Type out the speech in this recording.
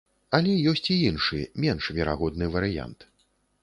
Але ёсць і іншы, менш верагодны варыянт.